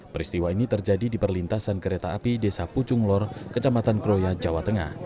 peristiwa ini terjadi di perlintasan kereta api desa pucung lor kecamatan kroya jawa tengah